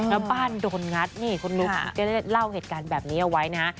แล้วบ้านโดนงัดนี่คุณลุงจะได้เล่าเหตุการณ์แบบนี้เอาไว้นะฮะ